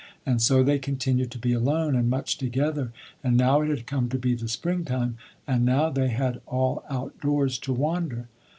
And so they continued to be alone and much together, and now it had come to be the spring time, and now they had all out doors to wander.